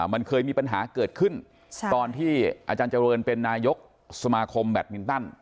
มันเคยมีปัญหาเกิดขึ้นตอนที่อาจารย์เจริญเป็นนายกสมาคมแบตมินตัน